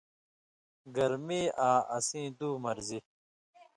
گرمی آں اسیں دُو مرضی